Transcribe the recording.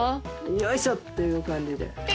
よいしょ！っていう感じで。